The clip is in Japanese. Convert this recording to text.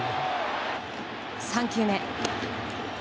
３球目。